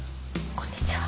こんにちは。